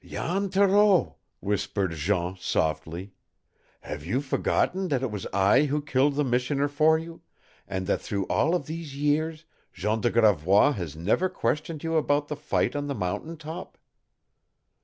"Jan Thoreau," whispered Jean softly, "have you forgotten that it was I who killed the missioner for you, and that through all of these years Jean de Gravois has never questioned you about the fight on the mountain top?"